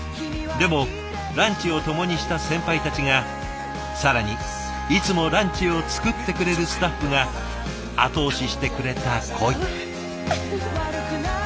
でもランチを共にした先輩たちが更にいつもランチを作ってくれるスタッフが後押ししてくれた恋。